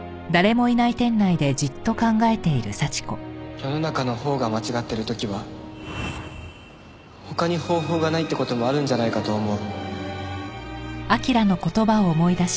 世の中のほうが間違ってる時は他に方法がないって事もあるんじゃないかと思う。